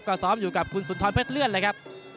ก็ซ้อมอยู่กับคุณสุนทรเพชรเลื่อนเลยครับ